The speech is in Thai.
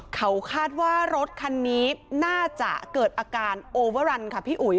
เขาคาดว่ารถคันนี้น่าจะเกิดอาการโอเวอรันค่ะพี่อุ๋ย